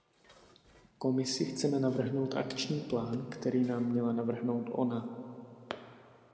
Komisi chceme navrhnout akční plán, který nám měla navrhnout ona.